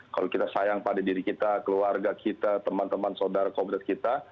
kalau kita sayang pada diri kita keluarga kita teman teman saudara komunitas kita